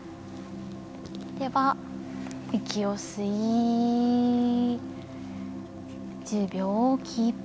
では息を吸い、１０秒キープ。